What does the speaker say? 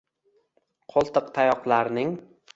Qo’ltiqtayoqlarning